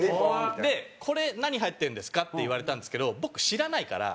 で「これ何入ってるんですか？」って言われたんですけど僕知らないから。